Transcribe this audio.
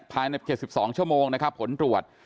ภายใน๗๒ชั่วโมงนะครับผลตรวจ